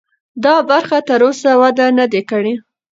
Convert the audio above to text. دا برخه تراوسه وده نه ده کړې.